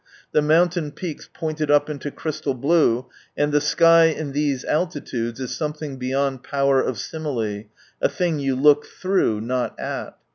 The mountain peaks pointed up into crystal blue, — and the sky in these altitudes is something beyond power of simile, a thing you look through, not at.